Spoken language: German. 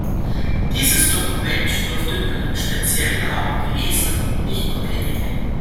Dieses Dokument durfte nur in einem speziellen Raum gelesen und nicht kopiert werden.